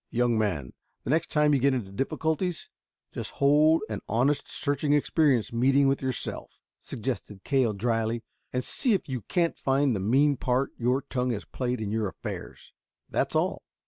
"Young man, the next time you get into difficulties, just hold an honest, searching experience meeting with yourself," suggested Cale dryly, "and see if you can't find the mean part your tongue has played in your affairs. That's all."